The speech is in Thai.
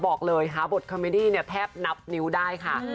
บอกเลยหาบทคอมเมดี้เนี่ยแทบนับนิ้วได้ค่ะ